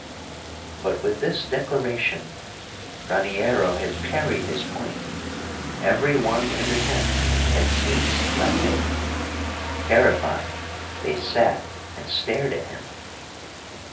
But with this declaration Raniero had carried his point. Every one in the tent had ceased laughing. Terrified, they sat and stared at him.